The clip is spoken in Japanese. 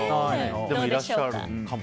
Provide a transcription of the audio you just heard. でも、いらっしゃるかも。